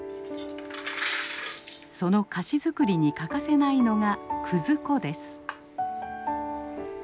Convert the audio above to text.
その菓子作りに欠かせないのが葛粉です。